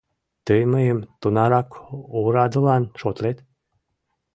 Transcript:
Тый мыйым тунарак орадылан шотлет?